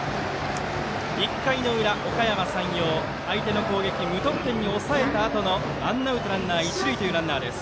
１回の裏、おかやま山陽相手の攻撃無得点に抑えたあとのワンアウト、ランナー一塁というランナー。